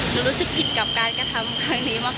รู้สึกผิดกับการกระทำครั้งนี้มาก